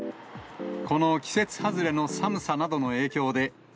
この季節外れの寒さなどの影